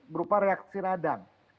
berupa reaksi radang